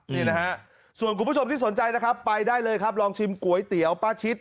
นี่นะฮะส่วนคุณผู้ชมที่สนใจนะครับไปได้เลยครับลองชิมก๋วยเตี๋ยวป้าชิด